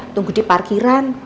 tunggu di parkiran